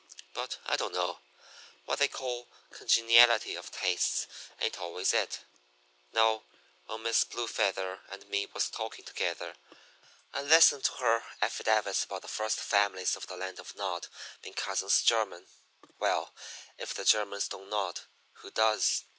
But I don't know! What they call congeniality of tastes ain't always it. Now, when Miss Blue Feather and me was talking together, I listened to her affidavits about the first families of the Land of Nod being cousins german (well, if the Germans don't nod, who does?)